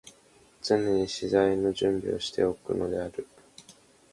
常に詩材の準備をして置くのである。